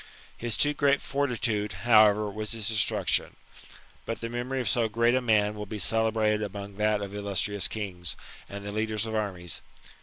His too great fortitude, however, was his destruction. But the memory of so great a man will be celebrated among that of illustrous kings, and the leaders of armies.